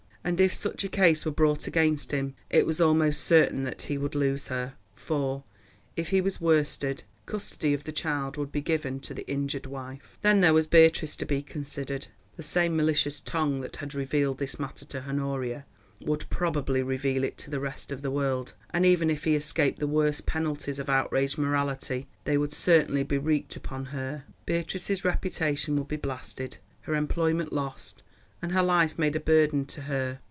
And if such a case were brought against him it was almost certain that he would lose her, for, if he was worsted, custody of the child would be given to the injured wife. Then there was Beatrice to be considered. The same malicious tongue that had revealed this matter to Honoria would probably reveal it to the rest of the world, and even if he escaped the worst penalties of outraged morality, they would certainly be wreaked upon her. Beatrice's reputation would be blasted, her employment lost, and her life made a burden to her.